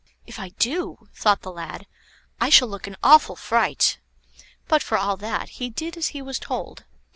"If I do," thought the lad, "I shall look an awful fright;" but for all that, he did as he was told.